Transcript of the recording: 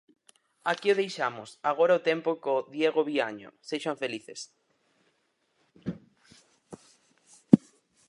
Aquí o deixamos, agora o tempo co Diego Viaño, sexan felices.